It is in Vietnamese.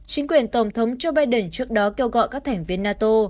chính quyền tổng thống joe biden trước đó kêu gọi các thành viên nato